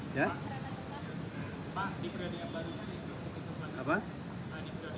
kita akan mengembangkan logistik dan logistik ke indonesia